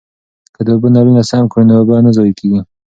که د اوبو نلونه سم کړو نو اوبه نه ضایع کیږي.